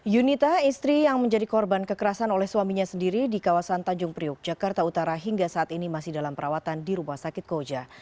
yunita istri yang menjadi korban kekerasan oleh suaminya sendiri di kawasan tanjung priuk jakarta utara hingga saat ini masih dalam perawatan di rumah sakit koja